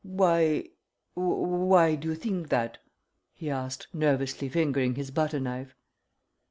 "Wh why do you think that?" he asked, nervously fingering his butter knife.